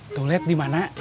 tuh lihat dimana